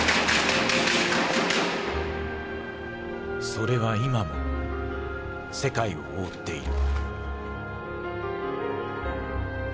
それは今も世界を覆っている。